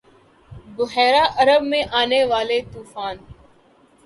بحیرہ عرب میں آنے والا ’طوفان